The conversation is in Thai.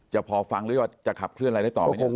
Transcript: พอฟังหรือว่าจะขับเคลื่อนอะไรได้ต่อไหมเนี่ย